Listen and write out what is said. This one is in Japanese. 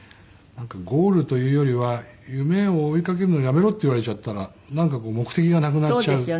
なんかゴールというよりは夢を追い掛けるのをやめろって言われちゃったらなんか目的がなくなっちゃう。